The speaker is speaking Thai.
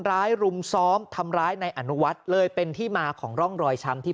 รุมซ้อมทำร้ายในอนุวัฒน์เลยเป็นที่มาของร่องรอยช้ำที่